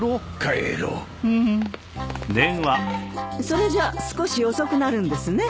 それじゃ少し遅くなるんですね。